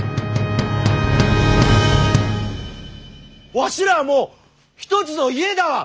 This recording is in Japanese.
わしらはもう一つの家だわ！